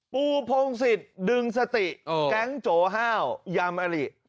ปูพงศิษย์ดึงสติแก๊งโจห้าวยามอลิ